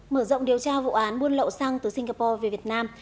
mở rộng điều tra vụ án buôn lậu xăng từ singapore về việt nam